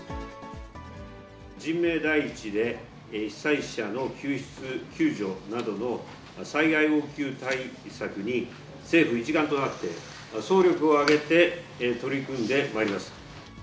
人命第一で、被災者の救出救助などの災害応急対策に、政府一丸となって、総力を挙げて取り組んでまいります。